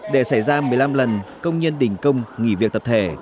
để xảy ra một mươi năm lần công nhân đình công nghỉ việc tập thể